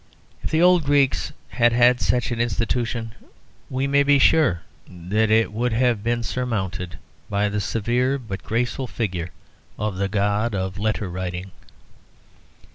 If the old Greeks had had such an institution, we may be sure that it would have been surmounted by the severe, but graceful, figure of the god of letter writing.